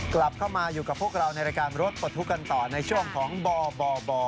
กลับเข้ามาอยู่กับพวกเราในรายการรถปลดทุกข์กันต่อในช่วงของบบ